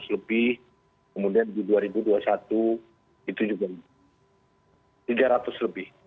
dua ribu dua puluh dua ratus lebih kemudian dua ribu dua puluh satu itu juga tiga ratus lebih